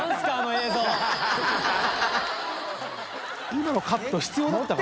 今のカット必要だったかな？